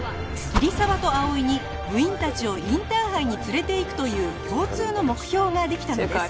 桐沢と葵に部員たちをインターハイに連れていくという共通の目標ができたのです